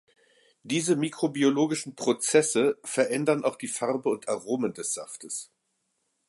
Diese mikrobiologischen Prozesse verändern auch die Farbe und Aromen des Saftes.